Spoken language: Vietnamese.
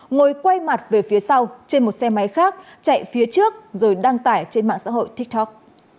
ngồi quay mặt về phía sau trên một xe máy khác chạy phía trước rồi đăng tải trên mạng xã hội tiktok